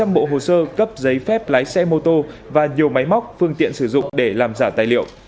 một trăm bộ hồ sơ cấp giấy phép lái xe mô tô và nhiều máy móc phương tiện sử dụng để làm giả tài liệu